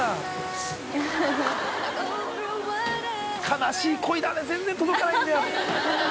悲しい恋だね全然届かないんだよ。